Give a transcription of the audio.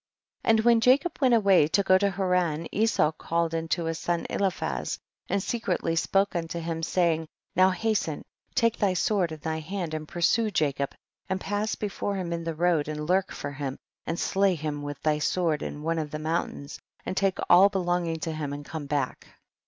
31. And when Jacob w^ent away to go to Haran Esau called unto his son Eliphaz, and secretly spoke unto him, saying, now hasten, take thy sword in thy hand and pursue Jacob and pass before him in the road, and lurk for him, and slay him with thy sword in one of the mountains, and take all belonging to him and come back.